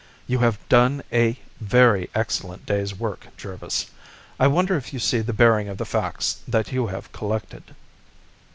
You have done a very excellent day's work, Jervis. I wonder if you see the bearing of the facts that you have collected."